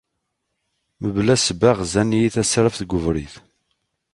Mebla ssebba, ɣzen-iyi tasraft deg ubrid.